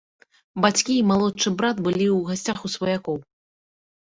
Бацькі і малодшы брат былі ў гасцях у сваякоў.